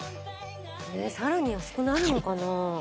さらに安くなるのかな？